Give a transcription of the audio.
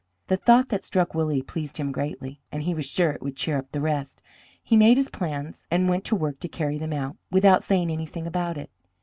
The thought that struck Willie pleased him greatly, and he was sure it would cheer up the rest. He made his plans, and went to work to carry them out without saying anything about it.